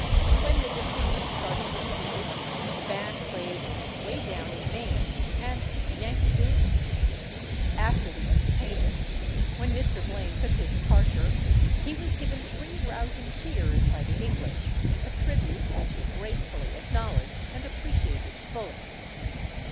When the distinguished party were seated the band played "Way Down in Maine" and "Yankee Doodle." After the entertainment, when Mr. Blaine took his departure, he was given three rousing cheers by the English, a tribute which he gracefully acknowledged and appreciated fully.